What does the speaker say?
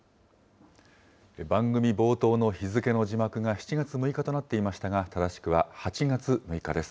番組冒頭の日付の字幕が７月６日となっていましたが、正しくは８月６日です。